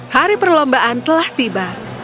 hari perlombaan telah tiba